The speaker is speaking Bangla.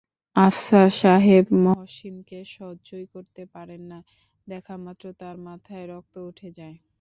আফসার সাহেব মহসিনকে সহ্যই করতে পারেন না, দেখামাত্র তাঁর মাথায় রক্ত উঠে যায়।